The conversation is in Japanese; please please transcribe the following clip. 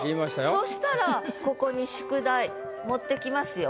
そしたらここに「宿題」持ってきますよ。